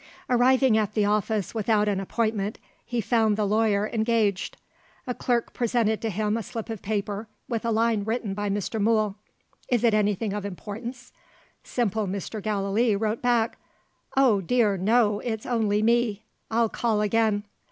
Arriving at the office without an appointment, he found the lawyer engaged. A clerk presented to him a slip of paper, with a line written by Mr. Mool: "Is it anything of importance?" Simple Mr. Gallilee wrote back: "Oh, dear, no; it's only me! I'll call again."